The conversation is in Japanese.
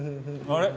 あれ？